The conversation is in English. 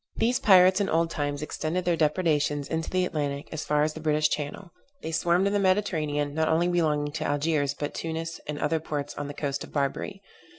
These pirates in old times extended their depredations into the Atlantic as far as the British Channel. They swarmed in the Mediterranean, not only belonging to Algiers, but Tunis, and other ports on the coast of Barbary.